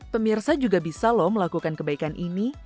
pemirsa juga bisa loh melakukan kebaikan ini